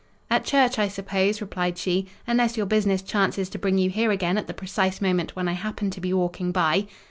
"At church, I suppose," replied she, "unless your business chances to bring you here again at the precise moment when I happen to be walking by."